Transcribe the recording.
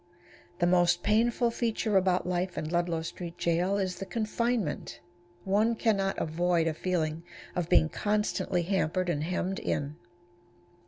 The most painful feature about life in Ludlow Street Jail is the confinement. One can not avoid a feeling of being constantly hampered and hemmed in.